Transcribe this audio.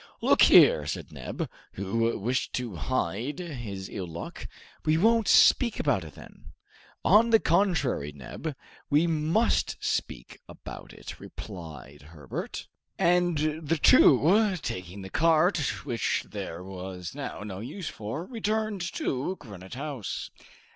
"Look here," said Neb, who wished to hide his ill luck, "we won't speak about it." "On the contrary, Neb, we must speak about it," replied Herbert. And the two, taking the cart, which there was now no use for, returned to Granite House.